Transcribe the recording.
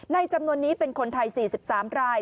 จำนวนนี้เป็นคนไทย๔๓ราย